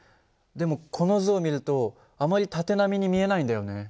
でもこの図を見るとあまり縦波に見えないんだよね。